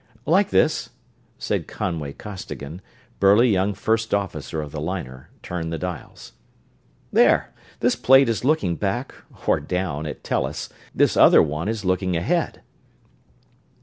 "Like this," and Conway Costigan, burly young first officer of the liner, turned the dials. "There this plate is looking back, or down, at Tellus; this other one is looking ahead."